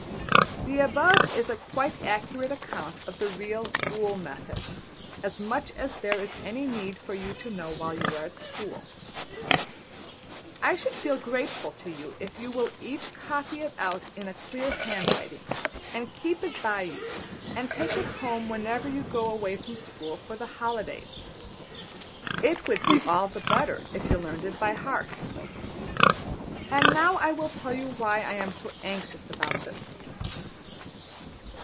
The above is a quite accurate account of the real Boole Method; as much as there is any need for you to know while you are at school. I should feel grateful to you if you will each copy it out in a clear handwriting, and keep it by you, and take it home whenever you go away from school for the holidays. It would be all the better if you learned it by heart. And now I will tell you why I am so anxious about this.